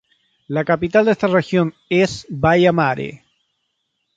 La capital de esta región es Baia Mare.